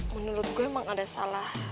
menurut gue memang ada salah